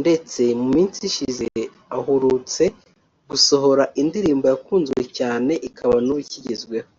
ndetse mu minsi ishize ahurutse gusohora indirimbo yakunzwe cyane ikaba n’ubu ikigezweho